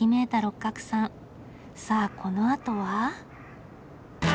さあこのあとは。